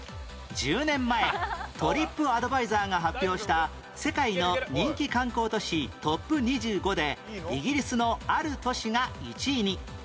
１０年前トリップアドバイザーが発表した世界の人気観光都市トップ２５でイギリスのある都市が１位に